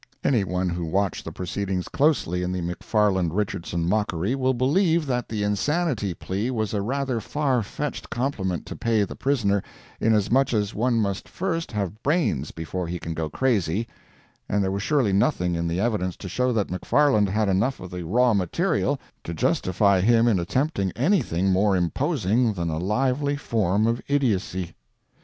Anyone who watched the proceedings closely in the McFarland Richardson mockery will believe that the insanity plea was a rather far fetched compliment to pay the prisoner, inasmuch as one must first have brains before he can go crazy, and there was surely nothing in the evidence to show that McFarland had enough of the raw material to justify him in attempting anything more imposing than a lively form of idiocy.